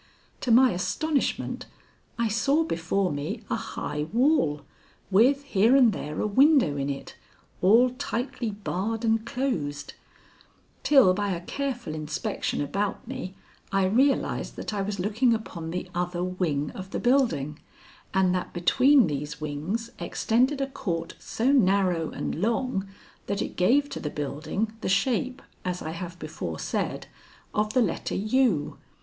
To my astonishment, I saw before me a high wall with here and there a window in it, all tightly barred and closed, till by a careful inspection about me I realized that I was looking upon the other wing of the building, and that between these wings extended a court so narrow and long that it gave to the building the shape, as I have before said, of the letter U.